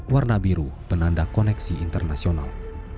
warna biru penanda koneksi internasional